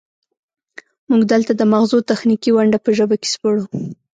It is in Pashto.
موږ دلته د مغزو تخنیکي ونډه په ژبه کې سپړو